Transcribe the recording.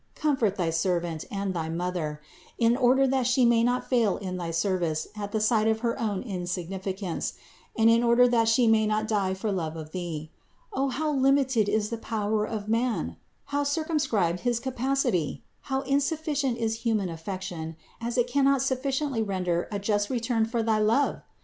Comfort thy servant and thy Mother, in order that She may not fail in thy service at the sight of her own insignificance, and in order that she may not die for love of Thee. O how limited is 2 81 462 CITY OF GOD the power of man! How circumscribed his capacity! How insufficient is human affection, as it cannot suffi ciently render a just return for thy love!